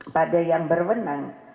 pada yang berwenang